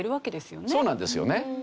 そうなんですよね。